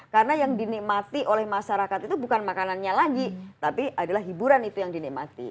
karena yang dinikmati oleh masyarakat itu bukan makanannya lagi tapi adalah hiburan itu yang dinikmati